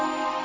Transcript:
ya udah deh